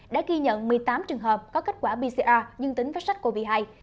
đã ghi nhận một mươi tám trường hợp có kết quả pcr dương tính với sars cov hai